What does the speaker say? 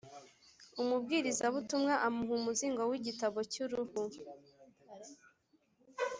Umubwirizabutumwa amuha umuzingo w’igitabo cy’uruhu